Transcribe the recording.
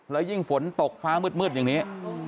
แล้วยิ่งฝนตกฟ้ามืดอย่างนี้